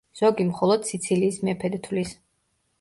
ზოგი მხოლოდ სიცილიის მეფედ თვლის.